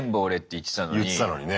言ってたのにね。